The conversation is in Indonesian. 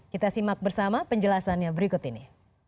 kita simak bersama penjelasannya berikut ini